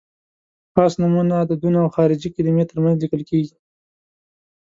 خاص نومونه، عددونه او خارجي کلمې تر منځ لیکل کیږي.